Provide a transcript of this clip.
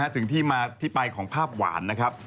ถึงที่มาที่ไปของภาพหวานนะครับ